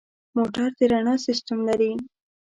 موټر د رڼا سیستم لري.